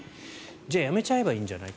じゃあ辞めちゃえばいいんじゃない？